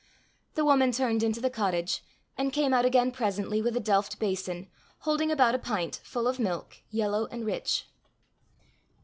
The woman turned into the cottage, and came out again presently with a delft basin, holding about a pint, full of milk, yellow and rich.